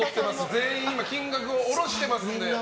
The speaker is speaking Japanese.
全員金額を降ろしてますので。